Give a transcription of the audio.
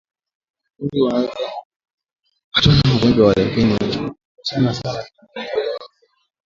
kundi wanaweza kupatwa na ugonjwa huu lakini hilo hutofautiana sana kutegemea idadi ya mbungo